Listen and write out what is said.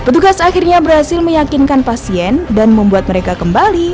petugas akhirnya berhasil meyakinkan pasien dan membuat mereka kembali